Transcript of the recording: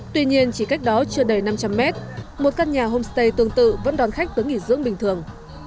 tuy nhiên chỉ cách đó chưa đầy năm trăm linh mét một căn nhà homestay tương tự vẫn đón khách tới nghỉ dưỡng bình thường